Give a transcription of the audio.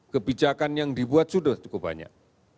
kebijakan yang dibuat sudah cukup banyak